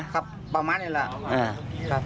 ครับประมาณนี้แหละ